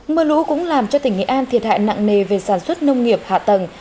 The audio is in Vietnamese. mưa lũ cũng làm cho tỉnh nghệ an thiệt hại nặng nề về sản xuất nông nghiệp hạ tầng